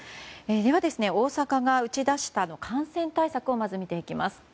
では大阪が打ち出した感染対策をまず見ていきます。